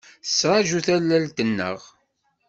Tettṛaǧu tallalt-nneɣ.